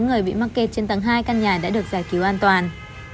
bốn người bị mắc kết trên tầng hai căn nhà đã được giải cứu an toàn